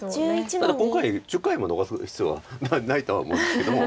ただ今回１０回も残す必要はないとは思うんですけども。